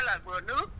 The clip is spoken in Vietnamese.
là vừa nước